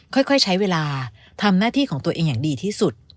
ค่อยใช้เวลาทำหน้าที่ของตัวเองอย่างดีที่สุด